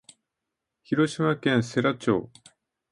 広島県世羅町